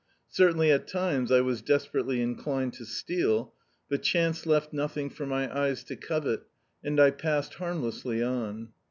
Certainly at times I was desperately inclined to steal ; but chance left noth ing for my eyes to covet, and I passed hannlessly on.